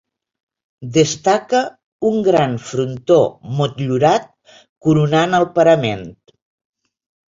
Destaca un gran frontó motllurat coronant el parament.